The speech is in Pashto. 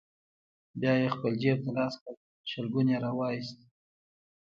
بيا يې خپل جيب ته لاس کړ، شلګون يې راوايست: